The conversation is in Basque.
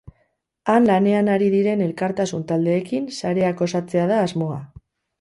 Han lanean ari diren elkartasun taldeekin sareak osatzea da asmoa.